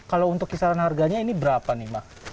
kalau untuk kisaran harganya ini berapa nih mas